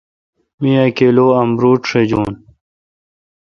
می اہ کلو امرود شجون۔